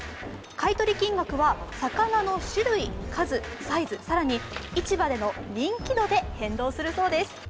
買い取り金額は魚の種類、数、サイズ、更に市場での人気度で変動するそうです。